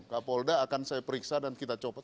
kapolda akan saya periksa dan kita copot